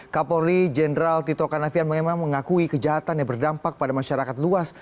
kapolri jenderal tito karnavian memang mengakui kejahatan yang berdampak pada masyarakat luas